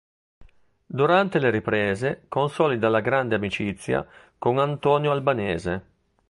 Durante le riprese consolida la grande amicizia con Antonio Albanese.